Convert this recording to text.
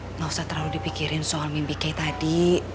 nggak usah terlalu dipikirin soal mimpi kayak tadi